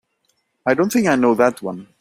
I don't think I know that one.